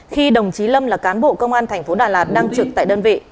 khi đồng chí lâm là cán bộ công an tp đà lạt đang trực tại đơn vị